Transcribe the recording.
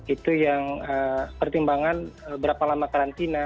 itu yang pertimbangan berapa lama karantina